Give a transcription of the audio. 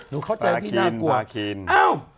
นึกเข้าใจที่น่ากลัว